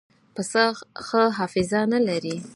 پسه ښه حافظه نه لري.